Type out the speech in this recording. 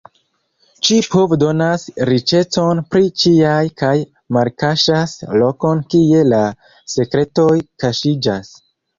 Ĉi-povo donas riĉecon pri ĉiaj kaj malkaŝas lokon kie la sekretoj kaŝiĝas.